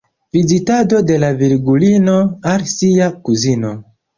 Vizitado de la Virgulino al sia kuzino.